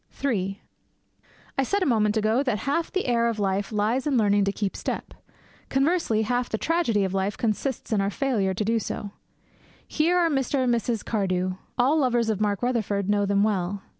III I said a moment ago that half the air of life lies in learning to keep step. Conversely, half the tragedy of life consists in our failure so to do. Here are Mr. and Mrs. Cardew. All lovers of Mark Rutherford know them well.